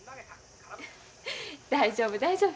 大丈夫大丈夫。